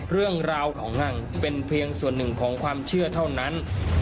เรื่องราวของงังเป็นเพียงส่วนหนึ่งของความเชื่อเท่านั้น